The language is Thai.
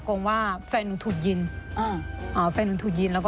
สวัสดีครับ